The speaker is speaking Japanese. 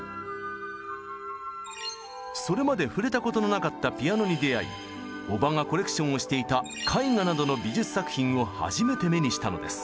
それまで触れたことのなかったピアノに出会いおばがコレクションをしていた絵画などの美術作品を初めて目にしたのです。